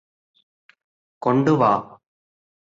കൊണ്ട് വാ